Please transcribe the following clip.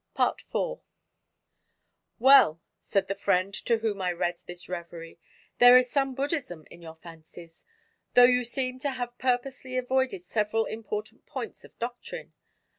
IV "Well," said the friend to whom I read this revery, "there is some Buddhism in your fancies though you seem to have purposely avoided several important points of doctrine.